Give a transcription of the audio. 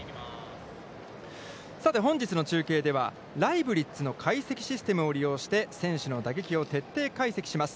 さて本日の中継では、ライブリッツの解析システムを利用して、選手の打撃を徹底解析します。